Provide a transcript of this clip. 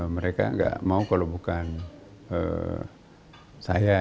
mereka nggak mau kalau bukan saya